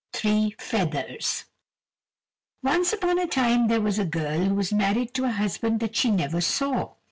Three Feathers Once upon a time there was a girl who was married to a husband that she never saw.